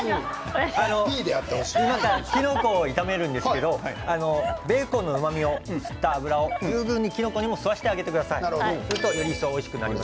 きのこを炒めるんですけどベーコンのうまみを吸った油を十分にきのこにも吸わしてあげてください。